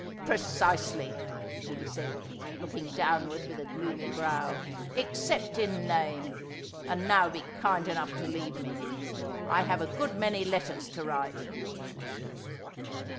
' Precisely,' he said, looking downward with a gloomy brow. ' Except in name. And now be kind enough to leave me. I have a good many letters to write.'